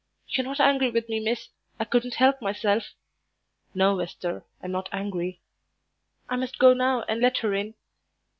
"You're not angry with me, miss; I couldn't help myself." "No, Esther, I'm not angry." "I must go now and let her in."